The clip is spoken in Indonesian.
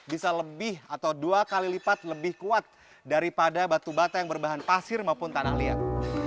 bisa lebih atau dua kali lipat lebih kuat daripada batu bata yang berbahan pasir maupun tanah liat